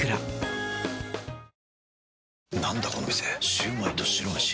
シュウマイと白めし。